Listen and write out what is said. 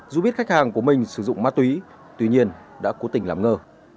dù biết khách hàng của mình sử dụng ma túy tuy nhiên đã cố tình làm ngơ